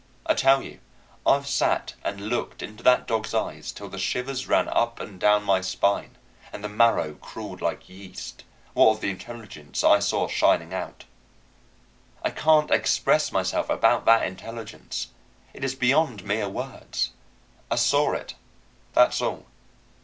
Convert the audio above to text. I tell you, I've sat and looked into that dog's eyes till the shivers ran up and down my spine and the marrow crawled like yeast, what of the intelligence I saw shining out. I can't express myself about that intelligence. It is beyond mere words. I saw it, that's all.